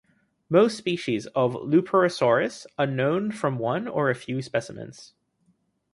Most species of "Lupersaurus" are known from one or a few specimens.